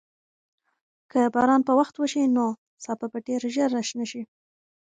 که باران په وخت وشي، نو سابه به ډېر ژر راشنه شي.